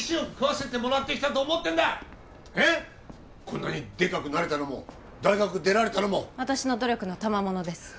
こんなにデカくなれたのも大学出られたのも私の努力の賜物です